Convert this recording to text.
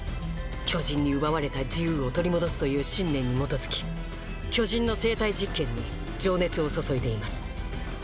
巨人に奪われた自由を取り戻すという信念に基づき巨人の生体実験に情熱を注いでいます。